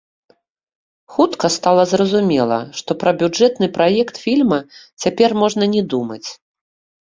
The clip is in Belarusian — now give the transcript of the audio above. Хутка стала зразумела, што пра бюджэтны праект фільма цяпер можна не думаць.